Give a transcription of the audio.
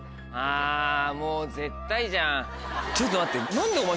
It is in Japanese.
あぁもう絶対じゃん。ちょっと待って。